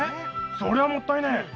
⁉そりゃもったいねえ！